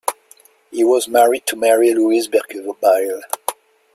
He was married to Mary Louise Berkebile.